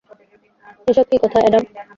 এসব কী কথা, অ্যাডাম।